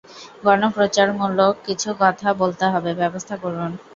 গণপ্রচারমূলক কিছু কথা বলতে হবে, ব্যাবস্থা করুন।